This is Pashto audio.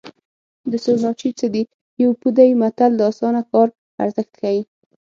د سورناچي څه دي یو پو دی متل د اسانه کار ارزښت ښيي